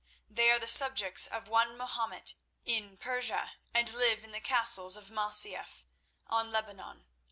They are the subjects of one Mahomet, in Persia, and live in castles at Masyaf, on Lebanon.